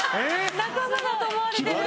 仲間だと思われてる。